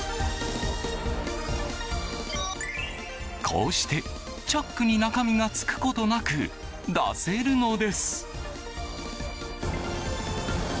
こうしてチャックに、中身がつくことなく出せるのです。